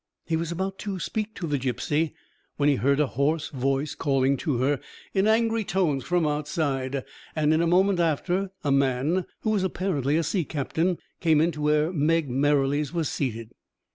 "] He was about to speak to the gipsy, when he heard a hoarse voice calling to her in angry tones from outside, and in a moment after, a man, who was apparently a sea captain, came in to where Meg Merrilies was seated.